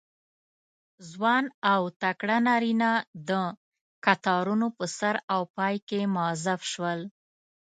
ځوان او تکړه نارینه د کتارونو په سر او پای کې موظف شول.